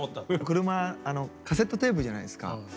車カセットテープじゃないですか。